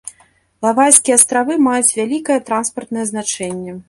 Гавайскія астравы маюць вялікае транспартнае значэнне.